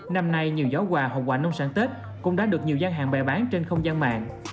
năm nay nhiều gió quà hoặc quà nông sản tết cũng đã được nhiều gian hàng bày bán trên không gian mạng